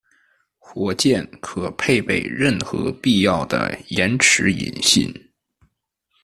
火箭可配备任何必要的延迟引信。